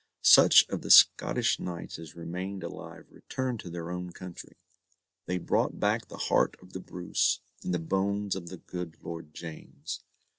Such of the Scottish knights as remained alive returned to their own country. They brought back the heart of the Bruce, and the bones of the good Lord James.